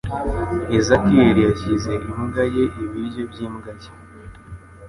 Ezakiyeri yashyize imbwa ye ibiryo byimbwa ye.